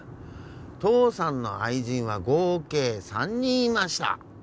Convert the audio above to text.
父さんの愛人は合計３人いました。